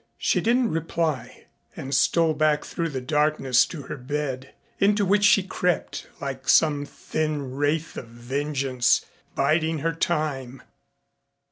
She didn't reply and stole back through the darkness to her bed, into which she crept, like some thin wraith of vengeance, biding her time.